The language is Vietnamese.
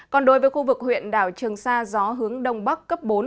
còn đối với khu vực huyện đảo trường sa gió hướng đông bắc cấp bốn